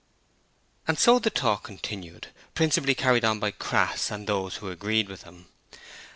And so the talk continued, principally carried on by Crass and those who agreed with him.